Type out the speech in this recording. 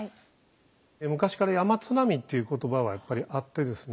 昔から山津波っていう言葉はやっぱりあってですね。